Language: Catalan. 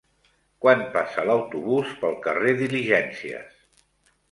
Quan passa l'autobús pel carrer Diligències?